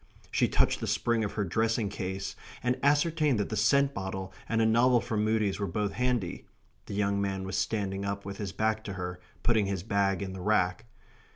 She touched the spring of her dressing case, and ascertained that the scent bottle and a novel from Mudie's were both handy (the young man was standing up with his back to her, putting his bag in the rack).